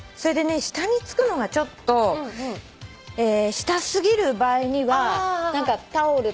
下につくのがちょっと下すぎる場合にはタオルとか。